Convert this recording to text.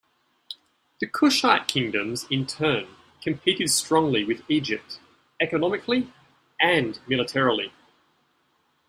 The Kushite kingdoms in turn competed strongly with Egypt economically and militarily.